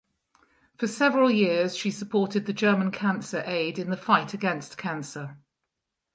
For several years she supported the German Cancer Aid in the fight against cancer.